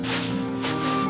agar tidak terjadi keguguran